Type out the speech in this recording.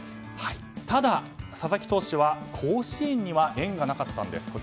ただ、佐々木投手は甲子園には縁がなかったんです。